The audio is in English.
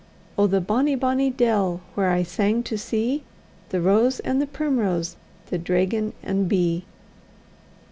Oh! the bonny, bonny dell, whaur I sang to see The rose and the primrose, the draigon and bee!